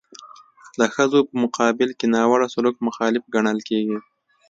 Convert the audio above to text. د ښځو په مقابل کې ناوړه سلوک مخالف ګڼل کیږي.